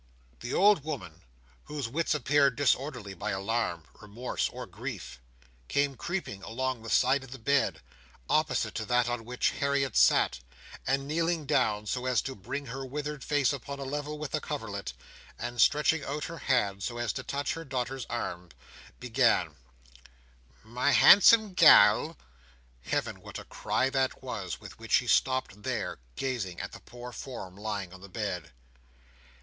The old woman, whose wits appeared disorderly by alarm, remorse, or grief, came creeping along the side of the bed, opposite to that on which Harriet sat; and kneeling down, so as to bring her withered face upon a level with the coverlet, and stretching out her hand, so as to touch her daughter's arm, began: "My handsome gal—" Heaven, what a cry was that, with which she stopped there, gazing at the poor form lying on the bed!